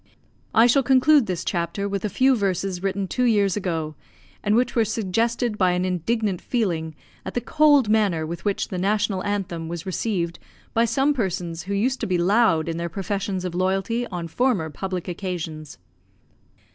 I shall conclude this chapter with a few verses written two years ago, and which were suggested by an indignant feeling at the cold manner with which the National Anthem was received by some persons who used to be loud in their professions of loyalty on former public occasions.